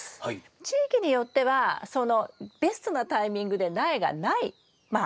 地域によってはそのベストなタイミングで苗がないまあ